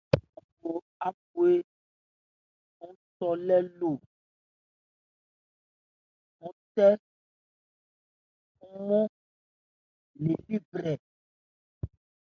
Ábhwe ń tɔ lê ló ń tɛ ɔ́nmɔn le li brɛ.